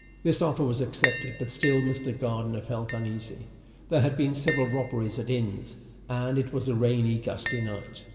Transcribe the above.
This offer was accepted; but still Mr. Gardiner felt uneasy. There had been several robberies at inns, and it was a rainy, gusty night.